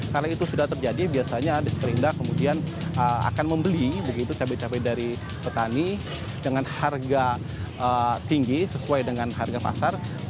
karena itu sudah terjadi biasanya ada seperindah kemudian akan membeli begitu cabai cabai dari petani dengan harga tinggi sesuai dengan harga pasar